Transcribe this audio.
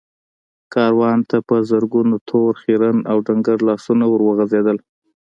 کاروان ته په زرګونو تور، خيرن او ډنګر لاسونه ور وغځېدل.